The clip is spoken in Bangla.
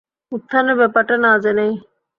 উত্থানের ব্যাপারটা না জেনেই।